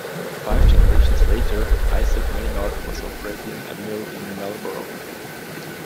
Five generations later, Isaac Maynard was operating a mill in Marlborough.